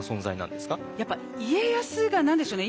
やっぱ家康が何でしょうね